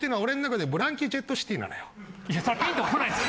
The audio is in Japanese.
いやピンとこないです。